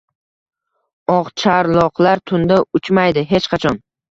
— Oqcharloqlar tunda uchmaydi! Hech qachon!